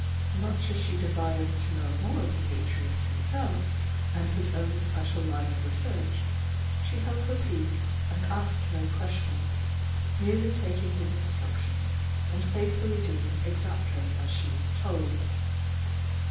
Much as she desired to know more of Dimitrius him self and his own special line of research, she held her peace and asked no questions, merely taking bis instructions and faithfully doing exactly as she was told.